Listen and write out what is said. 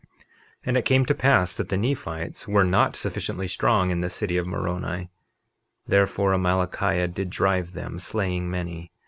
51:23 And it came to pass that the Nephites were not sufficiently strong in the city of Moroni; therefore Amalickiah did drive them, slaying many.